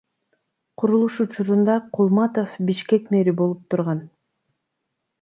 Курулуш учурунда Кулматов Бишкек мэри болуп турган.